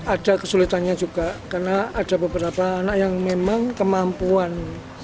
ada kesulitannya juga karena ada beberapa anak yang memang kemampuan